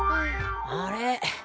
あれ？